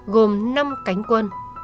gồm năm cánh quân